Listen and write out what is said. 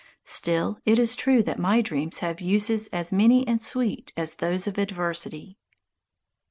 Still, it is true that my dreams have uses as many and sweet as those of adversity.